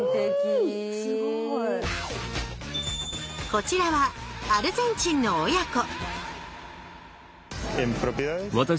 こちらはアルゼンチンの親子